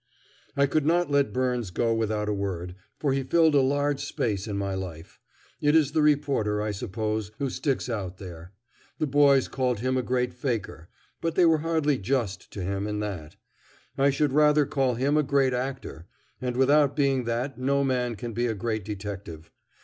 I could not let Byrnes go without a word, for he filled a large space in my life. It is the reporter, I suppose, who sticks out there. The boys called him a great faker, but they were hardly just to him in that. I should rather call him a great actor, and without being that no man can be a great detective.